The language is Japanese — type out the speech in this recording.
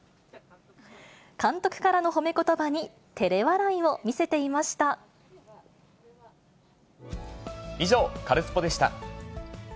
監督からの褒めことばに、以上、カルスポっ！でした。